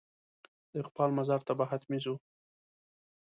د اقبال مزار ته به حتمي ځو.